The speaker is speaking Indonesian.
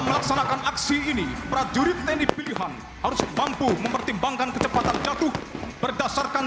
melaksanakan aksi ini prajurit tni pilihan harus mampu mempertimbangkan kecepatan jatuh berdasarkan